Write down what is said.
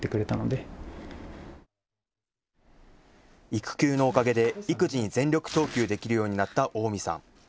育休のおかげで育児に全力投球できるようになった近江さん。